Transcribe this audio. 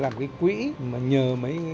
làm cái quỹ mà nhờ mấy